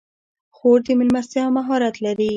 خور د میلمستیا مهارت لري.